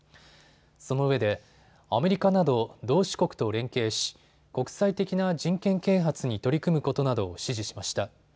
そのうえでアメリカなど同志国と連携し国際的な人権啓発に取り組むことなどを指示しました。